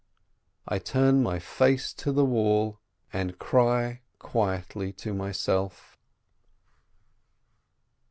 I turn my face to the wall, and cry quietly to myself.